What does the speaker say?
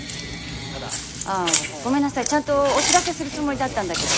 ああごめんなさいちゃんとお知らせするつもりだったんだけど。